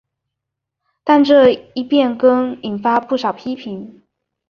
但这一变更引发不少批评。